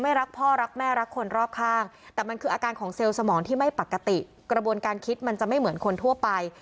รักพ่อรักแม่รักคนรอบข้างแต่มันคืออาการของเซลล์สมองที่ไม่ปกติกระบวนการคิดมันจะไม่เหมือนคนทั่วไป